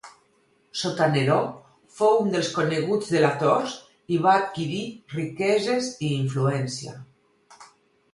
Sota Neró fou un dels coneguts delators i va adquirir riqueses i influencia.